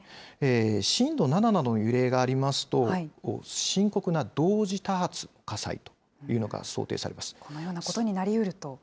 震度７などの揺れがありますと、深刻な同時多発火災というのこのようなことになりうると。